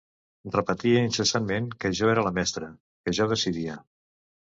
Repetia incessantment que jo era la mestra, que jo decidia...